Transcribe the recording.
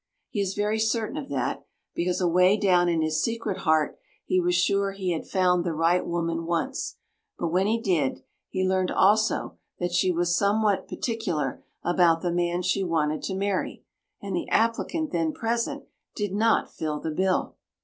He is very certain of that, because away down in his secret heart he was sure he had found the right woman once, but when he did, he learned also that she was somewhat particular about the man she wanted to marry, and the applicant then present did not fill the bill!